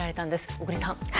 小栗さん。